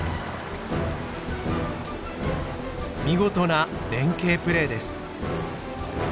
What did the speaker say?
見事な連携プレーです。